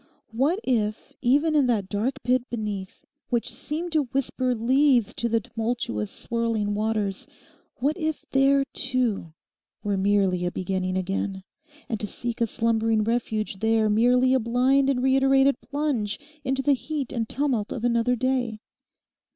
What if even in that dark pit beneath, which seemed to whisper Lethe to the tumultuous, swirling waters—what if there, too, were merely a beginning again, and to seek a slumbering refuge there merely a blind and reiterated plunge into the heat and tumult of another day?